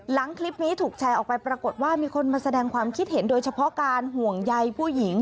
หลังคลิปนี้ถูกแชร์ออกไปปรากฏว่ามีคนมาแสดงความคิดเห็นโดยเฉพาะการห่วงใยผู้หญิง